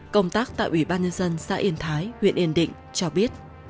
công tác tại ủy ban nhân dân xã yên thái huyện yên định cho biết